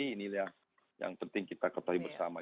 ini yang penting kita ketahui bersama